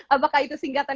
apakah itu singkatan